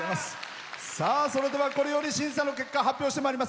それでは、これより審査の結果発表してまいります。